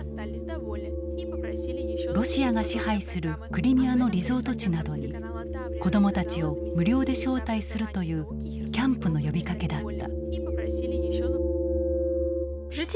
ロシアが支配するクリミアのリゾート地などに子どもたちを無料で招待するというキャンプの呼びかけだった。